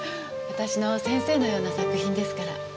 私の先生のような作品ですから。